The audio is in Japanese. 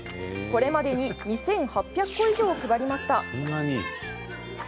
これまでに２８００個以上を配りました。